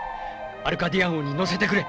アルカディア号に乗せてくれ。